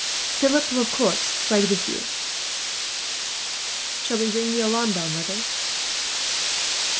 "Philip will, of course, ride with you." "Shall we ring the alarm bell, mother?"